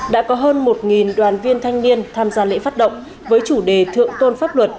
đã có hơn một đoàn viên thanh niên tham gia lễ phát động với chủ đề thượng tôn pháp luật